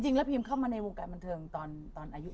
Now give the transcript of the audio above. จริงแล้วพีมเข้ามาในวงการบรรเทิงตอนอายุเท่าไหร่